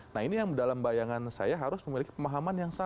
nah ini yang dalam bayangan saya harus memiliki pemahaman yang sama